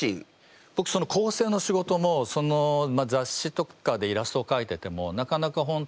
僕その構成の仕事も雑誌とかでイラストを描いててもなかなか本当にお金がなくてずっと。